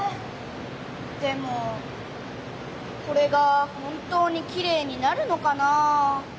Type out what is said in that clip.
でもこれが本当にきれいになるのかなあ？